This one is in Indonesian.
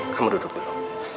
kamu duduk dulu